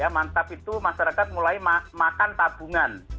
mantap itu masyarakat mulai makan tabungan